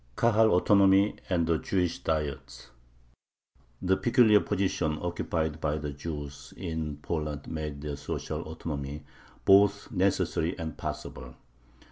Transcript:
KAHAL AUTONOMY AND THE JEWISH DIETS The peculiar position occupied by the Jews in Poland made their social autonomy both necessary and possible.